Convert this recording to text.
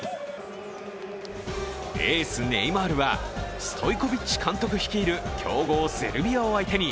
エース・ネイマールはストイコビッチ監督率いる強豪セルビアを相手に